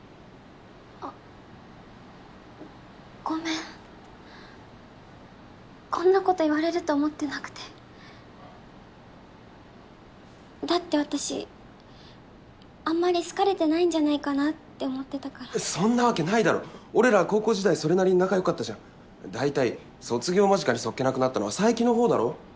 あっごめんこんなこと言われると思ってなくてだって私あんまり好かれてないんじゃないかなって思ってたからそんなわけないだろ俺ら高校時代それなりに仲よかったじゃん大体卒業間近にそっけなくなったの佐伯の方だろ